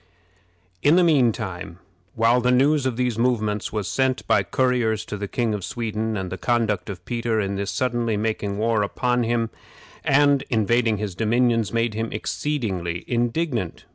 In the mean while the news of these movements was sent by couriers to the King of Sweden, and the conduct of Peter in thus suddenly making war upon him, and invading his dominions, made him exceedingly indignant.